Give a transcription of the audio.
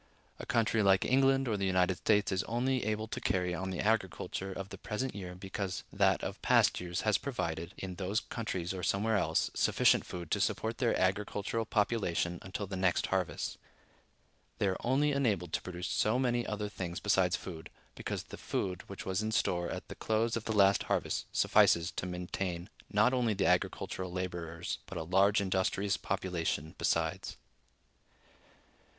A country like England or the United States is only able to carry on the agriculture of the present year because that of past years has provided, in those countries or somewhere else, sufficient food to support their agricultural population until the next harvest. They are only enabled to produce so many other things besides food, because the food which was in store at the close of the last harvest suffices to maintain not only the agricultural laborers, but a large industrious population besides.